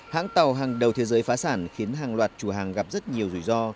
hãng tàu hàng đầu thế giới phá sản khiến hàng loạt chủ hàng gặp rất nhiều rủi ro